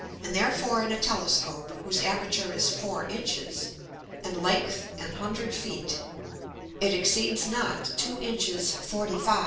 And therefore in a Telescope, whose Aperture is four Inches, and Length an hundred Feet, it exceeds not 2´´ 45´´´, or 3´´.